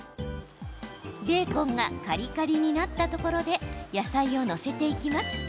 ベーコンがカリカリになったところで野菜を載せていきます。